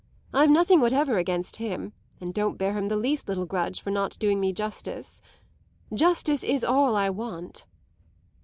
I've nothing whatever against him and don't bear him the least little grudge for not doing me justice. Justice is all I want.